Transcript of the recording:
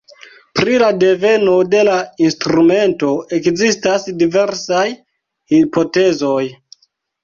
Pri la deveno de la instrumento ekzistas diversaj hipotezoj.